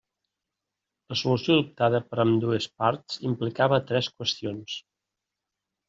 La solució adoptada per ambdues parts implicava tres qüestions.